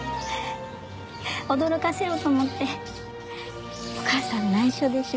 驚かせようと思ってお母さん内緒で調べてたの。